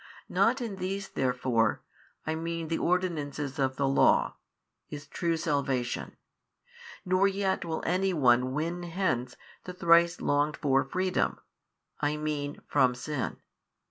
Not in these therefore (I mean the ordinances of the Law) is true salvation, nor yet will any one win hence the thrice longed for freedom, I mean from sin.